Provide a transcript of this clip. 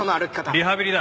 リハビリだ。